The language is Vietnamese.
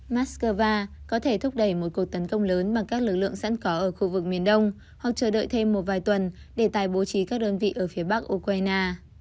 moscow có thể thúc đẩy một cuộc tấn công lớn bằng các lực lượng sẵn có ở khu vực miền đông hoặc chờ đợi thêm một vài tuần để tài bố trí các đơn vị ở phía bắc ukraine